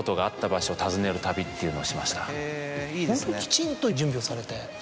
ホントにきちんと準備をされて。